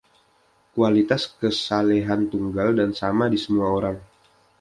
Kualitas kesalehan tunggal dan sama di semua orang.